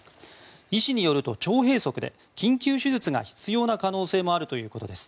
医師によると腸閉塞で緊急手術が必要な可能性もあるということです。